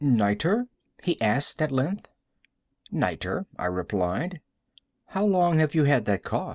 "Nitre?" he asked, at length. "Nitre," I replied. "How long have you had that cough?"